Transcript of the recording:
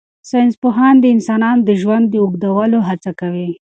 ساینس پوهان د انسانانو د ژوند اوږدولو هڅه کوي.